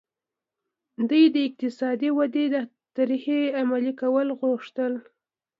دوی د اقتصادي ودې د طرحې عملي کول غوښتل.